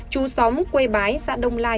chú xóm quê bái xã đông lai